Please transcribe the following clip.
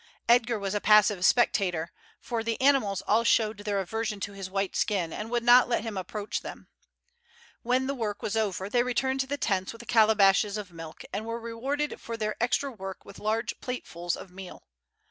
Edgar was a passive spectator, for the animals all showed their aversion to his white skin, and would not let him approach them. When the work was over they returned to the tents with the calabashes of milk, and were rewarded for their extra work with large platefuls of meal.